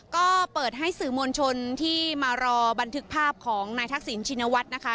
ก็เปิดให้สื่อมวลชนที่มารอบันทึกภาพของนายทักษิณชินวัฒน์นะคะ